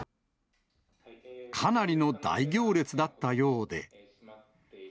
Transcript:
かなりの大行列だったようで。